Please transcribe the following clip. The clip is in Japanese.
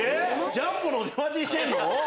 ⁉ジャンボの出待ちしてんの？